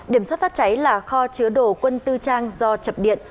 điểm xuất phát cháy là kho chứa đồ quân tư trang do chập điện